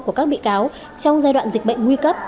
của các bị cáo trong giai đoạn dịch bệnh nguy cấp